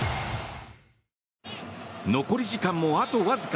残り時間もあとわずか。